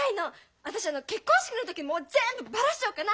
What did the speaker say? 私あの結婚式の時もうぜんぶばらしちゃおうかな。